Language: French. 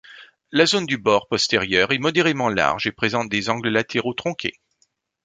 La zone du bord postérieur est modérément large et présente des angles latéraux tronqués.